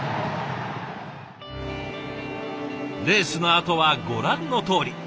レースのあとはご覧のとおり。